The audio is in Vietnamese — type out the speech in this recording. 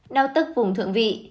đau tức vùng thượng vị